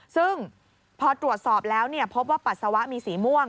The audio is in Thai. ซึ่งพอตรวจสอบแล้วพบว่าปัสสาวะมีสีม่วง